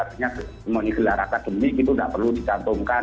sebenarnya gelar agat demik itu tidak perlu dicantumkan